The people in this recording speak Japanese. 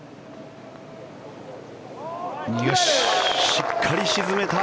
しっかり沈めた。